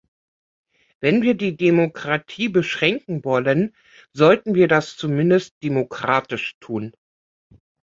Wenn wir die Demokratie beschränken wollen, sollten wir das zumindest demokratisch tun.